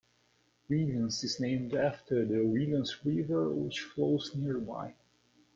Williams is named after the Williams River which flows nearby.